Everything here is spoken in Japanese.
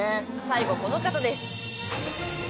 最後この方です